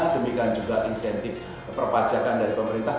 demikian juga insentif perpajakan dari pemerintah